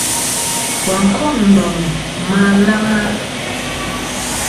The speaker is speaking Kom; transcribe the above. Wà n-kôŋ ndòŋ ma alaŋ a?